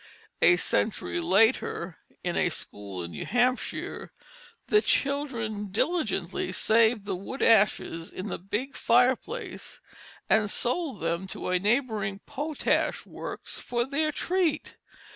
A century later, in a school in New Hampshire, the children diligently saved the wood ashes in the big fireplace and sold them to a neighboring potash works for their treat.